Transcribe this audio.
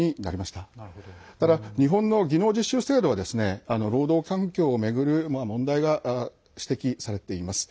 ただ、日本の技能実習制度は労働環境を巡る問題が指摘されています。